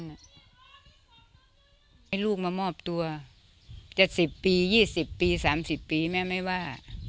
ให้ลูกมามอบตัวจะสิบปียี่สิบปีสามสิบปีแม่ไม่ว่า